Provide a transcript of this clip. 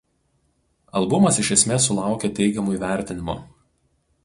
Albumas iš esmės sulaukė teigiamų įvertinimų.